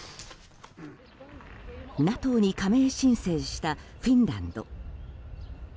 ＮＡＴＯに加盟申請したフィンランド。